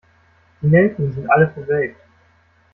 Die Nelken sind alle verwelkt.